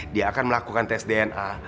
dia akan melakukan tes dna